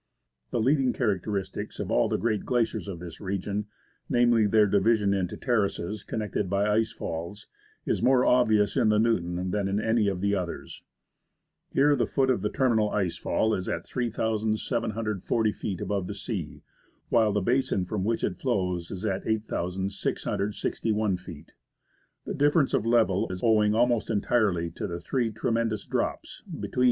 The leading characteristic of all the great glaciers of this region — namely their division into terraces connected by ice falls — is more obvious in the Newton than in any of the others. Here the foot of the terminal ice fall is at 3,740 feet above the sea, while the basin from which it flows is at 8,661 feet. The difference of level is owing almost entirely to the three tremendous drops, between which Mount Malaspina.